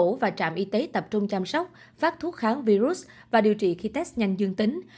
các mẫu và trạm y tế tập trung chăm sóc phát thuốc kháng virus và điều trị khi test nhanh dương tính